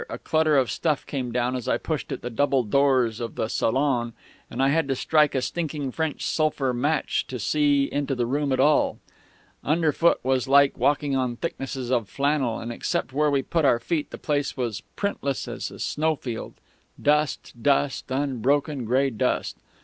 A clutter of stuff came down as I pushed at the double doors of the salon, and I had to strike a stinking French sulphur match to see into the room at all. Underfoot was like walking on thicknesses of flannel, and except where we put our feet the place was as printless as a snowfield dust, dust, unbroken grey dust.